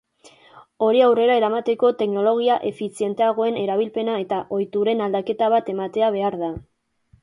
Hori aurrera eramateko teknologia efizienteagoen erabilpena eta ohituren aldaketa bat ematea behar da.